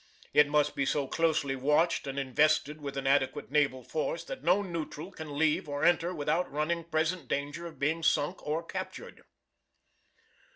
It must be so closely watched and invested with an adequate naval force that no neutral can leave or enter without running present danger of being sunk or captured.